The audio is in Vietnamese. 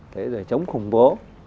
vấn đề cử vấn đề chống khủng bố